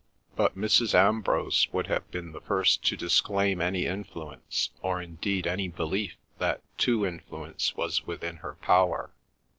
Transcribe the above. But Mrs. Ambrose would have been the first to disclaim any influence, or indeed any belief that to influence was within her power.